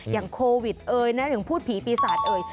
อย่างโควิดเอ่ยนะถึงพูดผีปีศาจเอ่ย